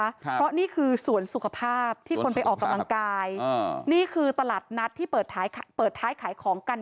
เพราะนี่คือสวนสุขภาพที่คนไปออกกำลังกายอ่านี่คือตลาดนัดที่เปิดท้ายเปิดท้ายขายของกัน